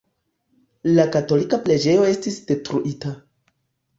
La katolika preĝejo estis detruita.